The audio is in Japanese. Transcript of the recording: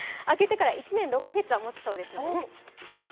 開けてから１年６カ月はもつそうですよ。